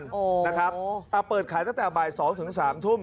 แต่เปิดขายตั้งแต่บ่าย๒ถึง๓ทุ่ม